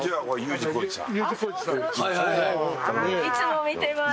いつも見てます。